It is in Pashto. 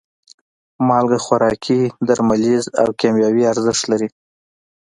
مالګه خوراکي، درملیز او کیمیاوي ارزښت لري.